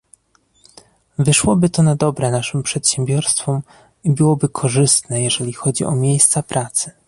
Wyszłoby to na dobre naszym przedsiębiorstwom i byłoby korzystne jeżeli chodzi o miejsca pracy